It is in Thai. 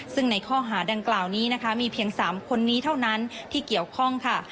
ซึ่งในข้อหาดังกล่าวนี้นะคะมีเพียง๓คนนี้เท่านั้นที่เกี่ยวข้องค่ะ